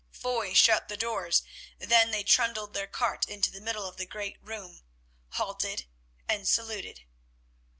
Foy shut the doors, then they trundled their cart into the middle of the great room, halted and saluted.